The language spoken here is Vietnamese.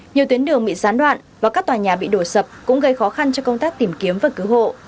nhiều tuyến đường bị gián đoạn và các tòa nhà bị đổ sập cũng gây khó khăn cho công tác tìm kiếm và cứu hộ